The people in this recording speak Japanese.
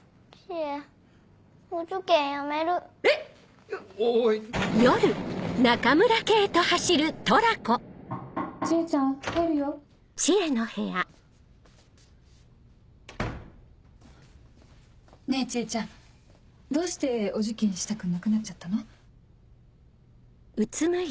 ねぇ知恵ちゃんどうしてお受験したくなくなっちゃったの？